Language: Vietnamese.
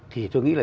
thì tôi nghĩ là